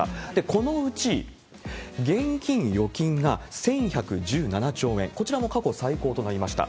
このうち現金、預金が１１１７兆円、こちらも過去最高となりました。